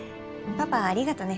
パパありがとね。